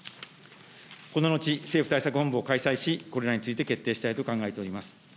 この後、政府対策本部を開催し、これらについて決定したいと考えております。